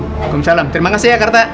waalaikumsalam terima kasih jakarta